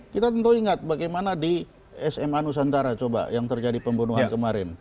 kita tentu ingat bagaimana di sma nusantara coba yang terjadi pembunuhan kemarin